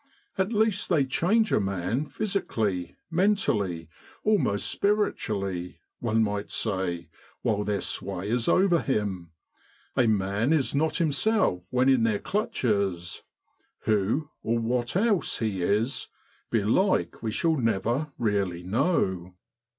at least they change a man physically, mentally, almost spiritually, one might say, while their sway is over him a man is not himself when in their clutches ; who, or what else, he is, belike we shall never really know.